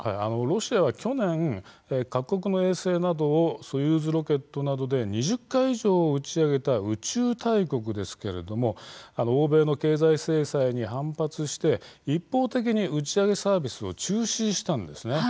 ロシアは去年各国の衛星などをソユーズロケットなどで２０回以上、打ち上げた宇宙大国ですけれども欧米の経済制裁に反発して一方的に打ち上げサービスを中止したんです。